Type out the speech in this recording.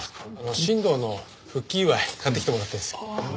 新藤の復帰祝い買ってきてもらってるんですよ。